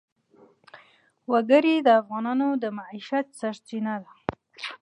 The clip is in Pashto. وګړي د افغانانو د معیشت سرچینه ده.